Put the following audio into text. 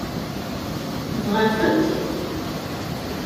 Tebɣa-tent?